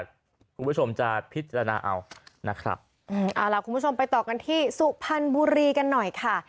คุณผู้ชมจะพิจารณาเอานะครับเอาล่ะคุณผู้ชมไปต่อกันที่สุพรรณบุรีกันหน่อยค่ะ